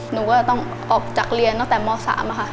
หนูก็ต้องออกจากเรียนตั้งแต่ม๓ค่ะ